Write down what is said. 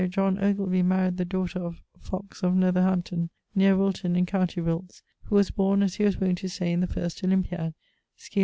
John Ogilby maried ..., the daughter of ... Fox[XLII.], of Netherhampton, neer Wilton in com. Wilts, who was borne as he was wont to say 'in the first Olympiad,' scil.